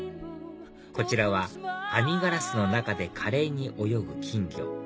こちらは編みガラスの中で華麗に泳ぐ金魚